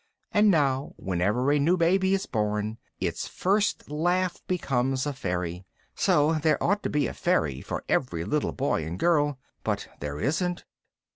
And now, whenever a new baby is born, its first laugh becomes a fairy. So there ought to be a fairy for every little boy and girl, but there isn't.